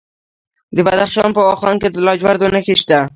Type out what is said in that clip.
د بدخشان په واخان کې د لاجوردو نښې شته.